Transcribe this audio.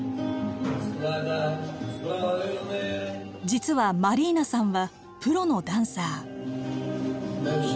実はマリーナさんはプロのダンサー。